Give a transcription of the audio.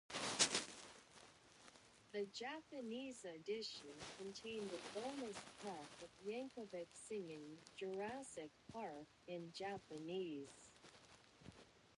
The Japanese edition contained a bonus track of Yankovic singing "Jurassic Park" in Japanese.